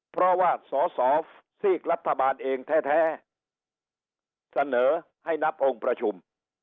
เพราะว่าสอสอซีกรัฐบาลเองแท้เสนอให้นับองค์ประชุม